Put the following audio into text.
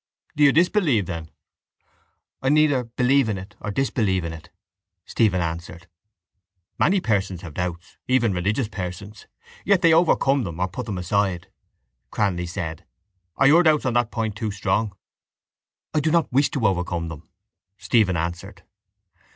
—Do you disbelieve then? —I neither believe in it nor disbelieve in it, Stephen answered. —Many persons have doubts, even religious persons, yet they overcome them or put them aside, Cranly said. Are your doubts on that point too strong? —I do not wish to overcome them, Stephen answered.